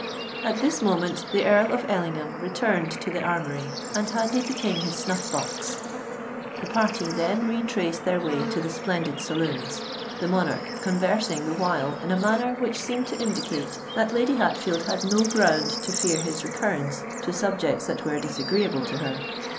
At this moment the Earl of Ellingham returned to the Armoury, and handed the King his snuff box. The party then retraced their way to the splendid saloons, the monarch conversing the while in a manner which seemed to indicate that Lady Hatfield had no ground to fear his recurrence to subjects that were disagreeable to her.